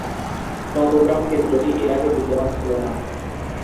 নবগ্রাম কেন্দ্রটি এর আগে বিদ্যমান ছিল না।